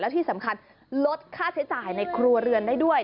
ที่สำคัญลดค่าใช้จ่ายในครัวเรือนได้ด้วย